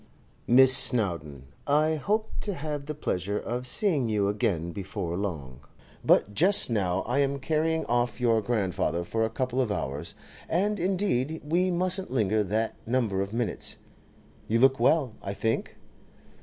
'Miss Snowdon, I hope to have the pleasure of seeing you again before long, but just now I am carrying off your grandfather for a couple of hours, and indeed we mustn't linger that number of minutes. You look well, I think?